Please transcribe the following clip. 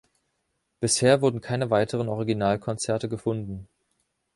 Bisher wurden keine weiteren Originalkonzerte gefunden.